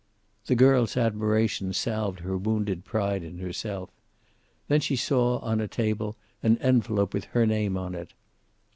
The girl's admiration salved her wounded pride in herself. Then she saw, on a table, an envelope with her name on it.